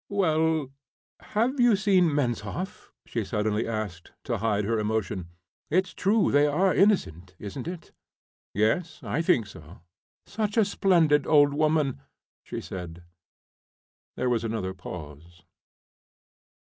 "Well, have you seen Menshoff?" she suddenly asked, to hide her emotion. "It's true they are innocent, isn't it?" "Yes, I think so." "Such a splendid old woman," she said. There was another pause.